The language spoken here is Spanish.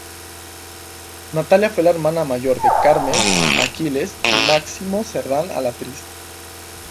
Natalia fue la hermana mayor de Carmen, Aquiles y Máximo Serdán Alatriste.